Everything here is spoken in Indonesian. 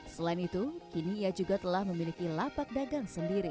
selain itu kini ia juga telah memiliki lapak dagang sendiri